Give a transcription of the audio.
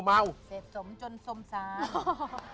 เสร็จสมจนสมศา